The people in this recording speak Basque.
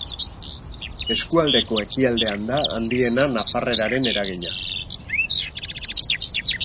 Eskualdeko ekialdean da handiena nafarreraren eragina.